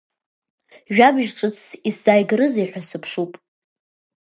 Жәабжь ҿыцс исзааигарызеи ҳәа сыԥшуп.